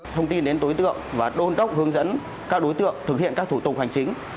thông tin đến tối tượng và đôn đốc hướng dẫn các đối tượng thực hiện các thủ tục hành chính